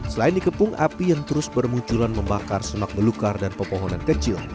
selain dikepung api yang terus bermunculan membakar semak belukar dan pepohonan kecil